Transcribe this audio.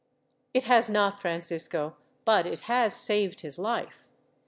"It has not, Francisco, but it has saved his life.